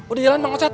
udah jalan mang ocat